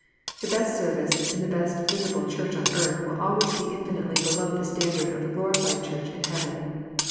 The best service in the best visible Church on earth will always be infinitely below the standard of the glorified Church in heaven.